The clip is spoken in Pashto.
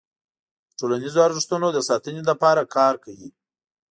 د ټولنیزو ارزښتونو د ساتنې لپاره کار کوي.